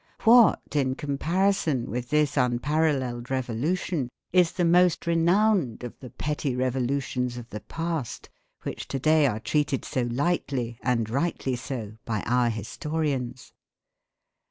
What in comparison with this unparalleled revolution is the most renowned of the petty revolutions of the past which to day are treated so lightly, and rightly so, by our historians.